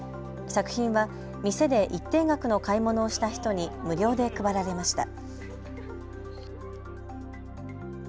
作品は店で一定額の買い物をした人に無料で配られました。